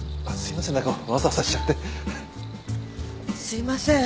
すいません。